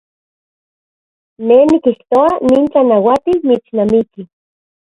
Ne nikijtoa nin tlanauatil mitsnamiki.